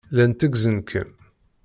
Llan tteggzen-kem.